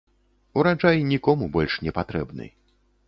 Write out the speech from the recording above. Ураджай нікому больш не патрэбны.